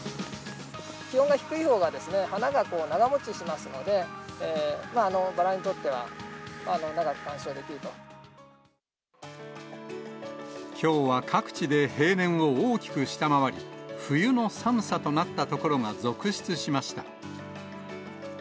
気温が低いほうが、花が長もちしますので、きょうは各地で平年を大きく下回り、冬の寒さとなった所が続出しました。